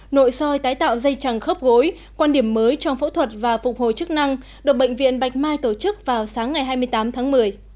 nội soi tái tạo dây chẳng khớp gối quan điểm mới trong phẫu thuật và phục hồi chức năng được bệnh viện bạch mai tổ chức vào sáng ngày hai mươi tám tháng một mươi